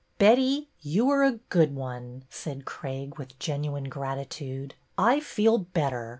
" Betty, you are a good one," said Craig, with genuine gratitude. " I feel better.